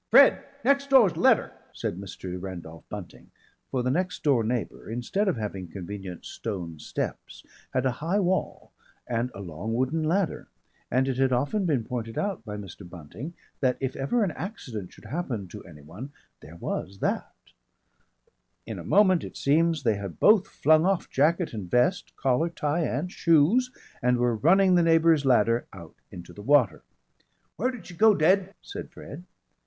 "Fred, Nexdoors ledder!" said Mr. Randolph Bunting for the next door neighbour instead of having convenient stone steps had a high wall and a long wooden ladder, and it had often been pointed out by Mr. Bunting if ever an accident should happen to anyone there was that! In a moment it seems they had both flung off jacket and vest, collar, tie and shoes, and were running the neighbour's ladder out into the water. "Where did she go, Ded?" said Fred.